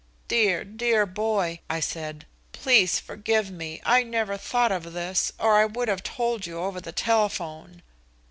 "Dear, dear boy," I said. "Please forgive me. I never thought of this or I would have told you over the telephone."